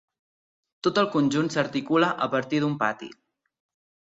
Tot el conjunt s'articula a partir d'un pati.